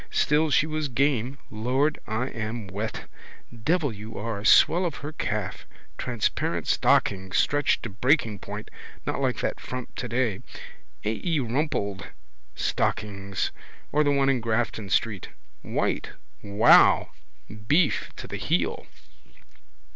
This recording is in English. Still she was game. Lord, I am wet. Devil you are. Swell of her calf. Transparent stockings, stretched to breaking point. Not like that frump today. A. E. Rumpled stockings. Or the one in Grafton street. White. Wow! Beef to the heel.